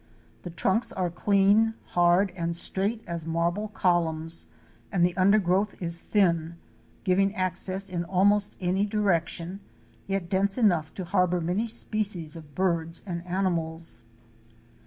The trunks are clean, hard and straight as marble columns and the undergrowth is thin, giving access in almost any direc tion, yet dense enough to harbor many species of birds and animals.